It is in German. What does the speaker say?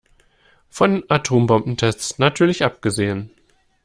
Von Atombombentests natürlich abgesehen.